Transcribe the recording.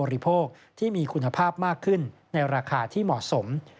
โภคที่มีคุณภาพมากขึ้นในราคาที่เหมาะสม